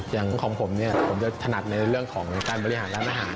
อย่างของผมเนี่ยผมจะถนัดในเรื่องของการบริหารร้านอาหาร